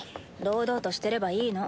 堂々としてればいいの。